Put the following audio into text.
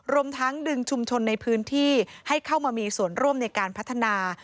รวมทั้งดึงชุมชนในพื้นที่ให้เข้ามามีส่วนร่วมในการพัฒนา